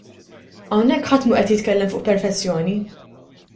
Hawnhekk ħadd mhu qed jitkellem fuq perfezzjoni.